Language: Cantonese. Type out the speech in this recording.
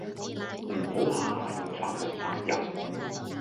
唔好下下用法律撻人